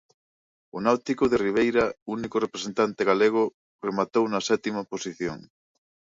O Náutico de Ribeira, único representante galego, rematou na sétima posición.